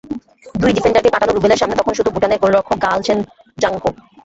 দুই ডিফেন্ডারকে কাটানো রুবেলের সামনে তখন শুধু ভুটানের গোলরক্ষক গায়ালশেন জাঙপো।